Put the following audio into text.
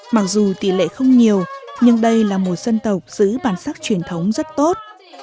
mặc dù tỷ lệ không nhiều nhưng đây là một dân tộc giữ bản sắc truyền thống rất tốt